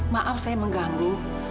maaf saya mengganggu